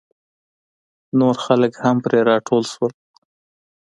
نور خلک هم پرې راټول شول.